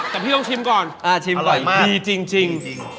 แต่พี่ต้องชิมก่อนอร่อยมากดีจริงอ่ะชิมก่อน